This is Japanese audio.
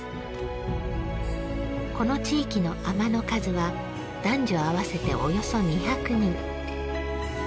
この地域のあまの数は男女合わせておよそ２００人。